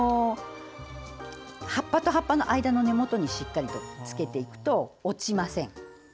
葉っぱと葉っぱの間の根元にしっかりとつけていくと落ちません。